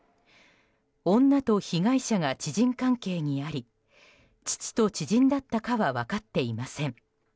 女と被害者が知人関係にあり父と知人だったかは分かっていません。